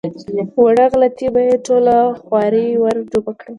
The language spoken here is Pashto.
وړه غلطي به یې ټوله خواري ور ډوبه کړي.